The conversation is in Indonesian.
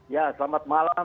ya selamat malam mbak asani